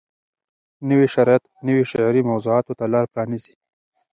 نوي شرایط نویو شعري موضوعاتو ته لار پرانیزي.